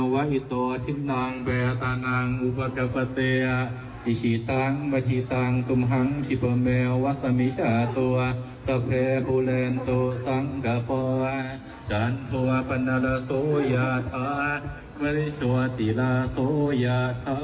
วัสมิชาตัวทรัพย์ภูเล็นตัวสังกะป๋อยจันทรัพย์ภัณฑ์และโซยาธรรมไมลิชวติลาโซยาธรรม